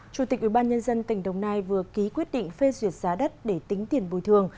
chủ tịch ủy ban nhân dân tỉnh đồng nai vừa ký quyết định phê duyệt giá đất để tính tiền bồi thường